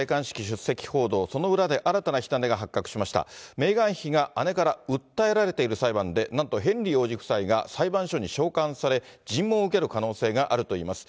メーガン妃が姉から訴えられている裁判で、なんとヘンリー王子夫妻が裁判所に召喚され、尋問を受ける可能性があるといいます。